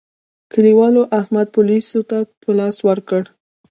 کلیوالو احمد پوليسو ته په لاس ورکړ.